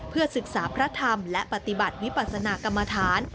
เพื่อศึกษาพระธรรมและปฏิบัติวิปัสนากรรมฐาน